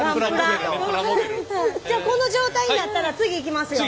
じゃあこの状態になったら次行きますよ。